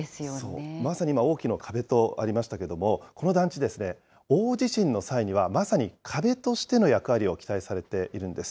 そう、まさに今、大きな壁とありましたけれども、この団地ですね、大地震の際にはまさに壁としての役割を期待されているんです。